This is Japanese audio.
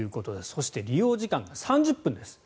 そして、利用時間は３０分です。